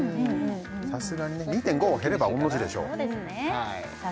さすがに２．５減れば御の字でしょうさあ